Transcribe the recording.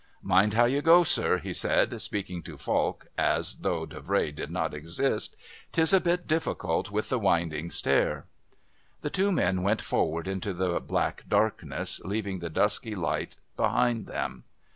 "Mind how you go, sir," he said, speaking to Falk as though Davray did not exist. "'Tis a bit difficult with the winding stair." The two men went forward into the black darkness, leaving the dusky light behind them.